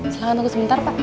silahkan tunggu sebentar pak